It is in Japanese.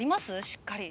しっかり。